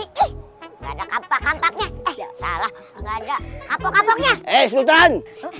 waduh dia lagi dia lagi ih ada kapan kapan salah nggak ada kapok kapoknya eh sultan